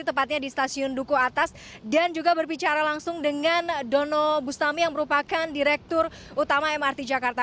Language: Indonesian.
tepatnya di stasiun duku atas dan juga berbicara langsung dengan dono bustami yang merupakan direktur utama mrt jakarta